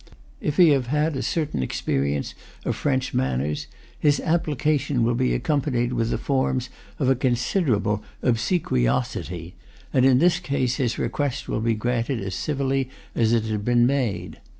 If he have had a certain experience of French manners, his application will be accompanied with the forms of a considerable obsequiosity, and in this case his request will be granted as civilly as it has been made.